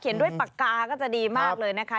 ด้วยปากกาก็จะดีมากเลยนะคะ